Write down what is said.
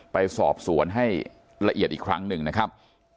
ไปสอบสวนให้ละเอียดอีกครั้งหนึ่งนะครับ